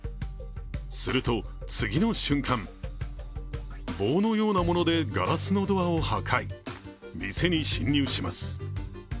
すると次の瞬間棒のようなものでガラスのドアを破壊、店に侵入します。